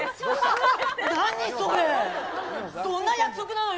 どんな約束なのよ。